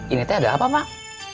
ini teh ada apa pak